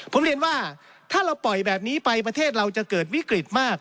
ผมเรียนว่าถ้าเราปล่อยแบบนี้ไปประเทศเราจะเกิดวิกฤตมาก